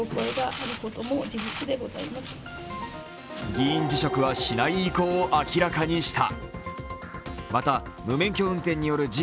議員辞職はしない意向を明らかにした。